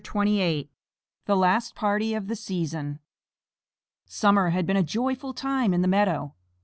THE LAST PARTY OF THE SEASON Summer had been a joyful time in the meadow.